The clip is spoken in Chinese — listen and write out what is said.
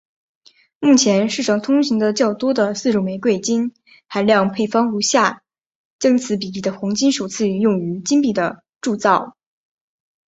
目前世上通行的较多的四种玫瑰金含量配方如下将此比例的黄金首次用于金币的铸造。